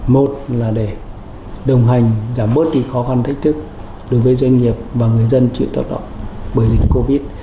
một là để đồng hành giảm bớt đi khó khăn thách thức đối với doanh nghiệp và người dân chịu tác động bởi dịch covid